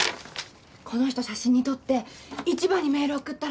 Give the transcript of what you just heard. この人写真に撮って一番にメール送ったら１，０００万よ。